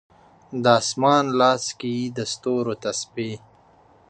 د اسمان لاس کې یې د ستورو تسبې